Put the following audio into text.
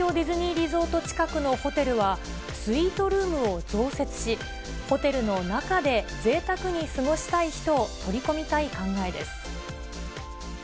リゾート近くのホテルは、スイートルームを増設し、ホテルの中で、ぜいたくに過ごしたい人を取り込みたい考えです。